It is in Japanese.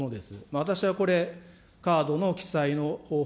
私はこれ、カードの記載の方法